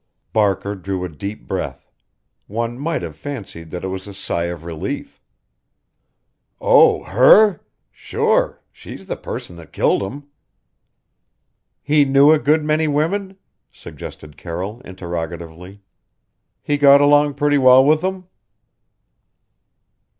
Barker drew a deep breath. One might have fancied that it was a sigh of relief. "Oh, her? Sure! She's the person that killed him!" "He knew a good many women?" suggested Carroll interrogatively. "He got along pretty well with them?"